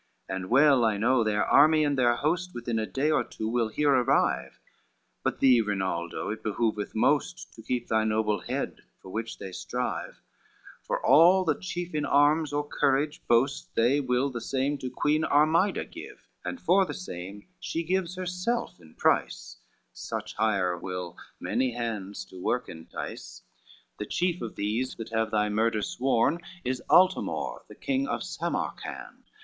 CXXIV "And well I know their army and their host Within a day or two will here arrive: But thee Rinaldo it behoveth most To keep thy noble head, for which they strive, For all the chief in arms or courage boast They will the same to Queen Armida give, And for the same she gives herself in price, Such hire will many hands to work entice. CXXV "The chief of these that have thy murder sworn, Is Altamore, the king of Samarcand!